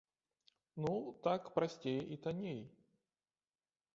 Ну, так прасцей і танней.